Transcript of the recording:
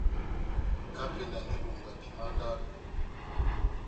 Kapenda endi ó ibongwa epima yá ndabo.